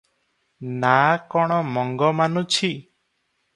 "ନାଆ କଣ ମଙ୍ଗ ମାନୁଛି ।